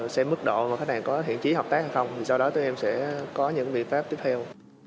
xem mức độ mà khách hàng có thiện trí hợp tác hay không thì sau đó tụi em sẽ có những biện pháp tiếp theo